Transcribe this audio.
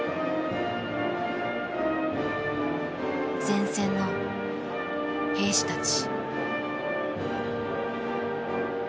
前線の兵士たち。